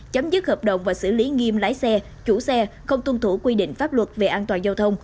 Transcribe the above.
chấm dứt hợp đồng và xử lý nghiêm lái xe chủ xe không tuân thủ quy định pháp luật về an toàn giao thông